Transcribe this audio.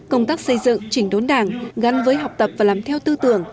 công tác xây dựng chỉnh đốn đảng gắn với học tập và làm theo tư tưởng